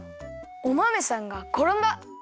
おまめさんがころんだ。